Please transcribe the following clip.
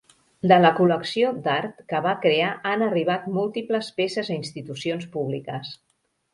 De la col·lecció d'art que va crear han arribat múltiples peces a institucions públiques.